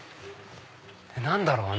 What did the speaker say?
何だろう？